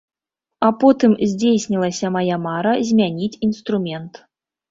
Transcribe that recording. А потым здзейснілася мая мара змяніць інструмент.